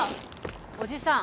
おじさん